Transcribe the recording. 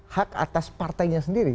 hak atas partainya sendiri